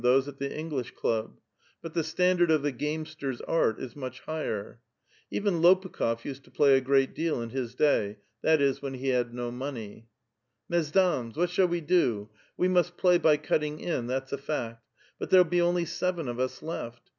those at the English Club ; but the standard of the gamester's art is much higher. Even Lopukh6f used to play a great deal iu his day ; that is, when he had no monev. '' Mesdames, what shall we do ? We must play by cutting, in, that's a fact ; but there'll be only seven of us left.